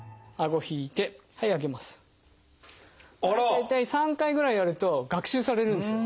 大体３回ぐらいやると学習されるんですよ